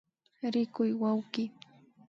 Rikuy wawki